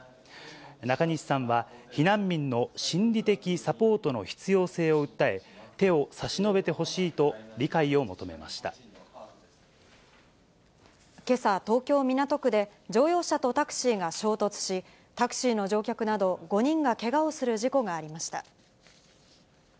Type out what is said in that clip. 中西さんは、避難民の心理的サポートの必要性を訴え、手を差し伸べてほしいとけさ、東京・港区で、乗用車とタクシーが衝突し、タクシーの乗客など５人がけがをする事故がありました。